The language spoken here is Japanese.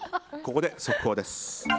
ここで速報です。